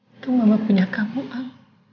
itu mama punya kamu al